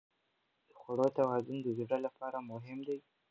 د خوړو توازن د زړه لپاره مهم دی.